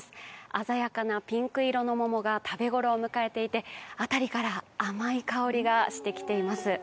鮮やかなピンク色の桃が食べ頃を迎えていて辺りから甘い香りがしてきています。